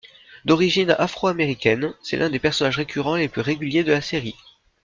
D'origine afro-américaine, c'est l'un des personnages récurrents les plus réguliers de la série.